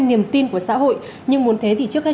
niềm tin của xã hội nhưng muốn thế thì trước hết